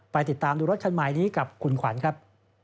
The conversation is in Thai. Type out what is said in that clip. ไปติดตามดูรถคันใหม่นี้กับคุณขวัญครับ